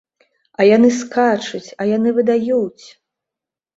А яны скачуць, а яны выдаюць!